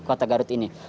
kota garut ini